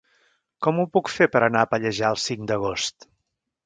Com ho puc fer per anar a Pallejà el cinc d'agost?